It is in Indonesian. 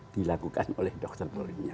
dilakukan oleh dokter